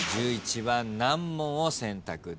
１１番難問を選択です。